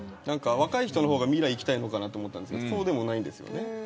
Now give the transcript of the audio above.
若い人の方が未来に行きたいのかなと思ったんですけどそうでもないんですよね。